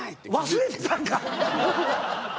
忘れてたんか！